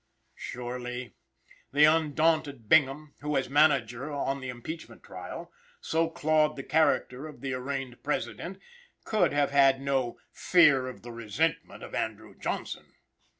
Surely, the undaunted Bingham who, as manager on the impeachment trial, so clawed the character of the arraigned President, could have had no "fear of the resentment of Andrew Johnson."